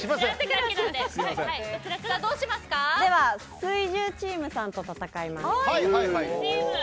では、水１０チームさんと戦います。